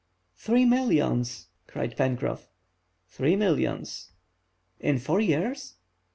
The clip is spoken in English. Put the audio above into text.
"Three millions!" cried Pencroff. "Three millions." "In four years?"